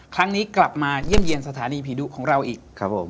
ครั้งนี้กลับมาเยี่ยมเยี่ยมสถานีผีดุของเราอีกครับผม